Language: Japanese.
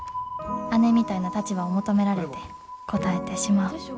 姉みたいな立場を求められて応えてしまう。